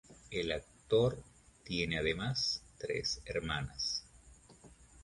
El actor tiene además tres hermanas.